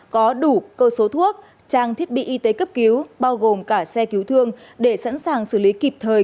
có đủ cơ số thuốc trang thiết bị y tế cấp cứu bao gồm cả xe cứu thương để sẵn sàng xử lý kịp thời